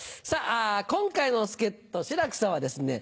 今回の助っ人志らくさんはですね